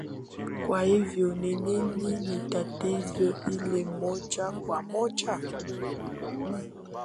kwa hiyo ni ni ni nitatizo hilo moja kwa moja